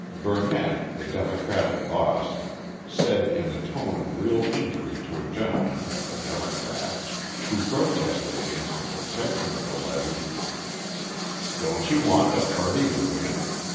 Burnett, the Democratic boss, said in a tone of real injury to a gentleman a Democrat who protested against the protection of the Levee: "Don't you want the party to win?